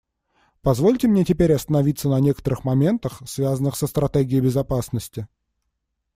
Позвольте мне теперь остановиться на некоторых моментах, связанных со стратегией безопасности.